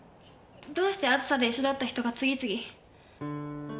どうしてあずさで一緒だった人が次々。